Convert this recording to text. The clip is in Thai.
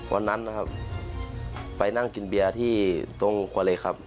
วันนั้นนะครับไปนั่งกินเบียร์ที่ตรงครัวเหล็กครับ